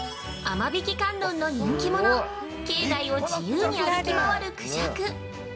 ◆雨引観音の人気者、境内を自由に歩き回るクジャク。